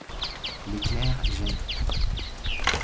L'éclair jaillit.